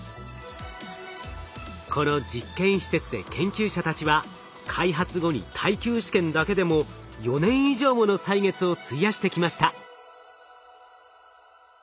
この実験施設で研究者たちは開発後に耐久試験だけでも４年以上もの歳月を費やしてきました。